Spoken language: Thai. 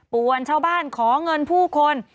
ป่วนเช้าบ้านขอเงินผู้คน